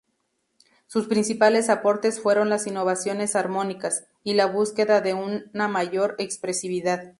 Sus principales aportes fueron las innovaciones armónicas, y la búsqueda de una mayor expresividad.